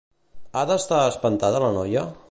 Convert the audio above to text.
Ha d'estar espantada la noia?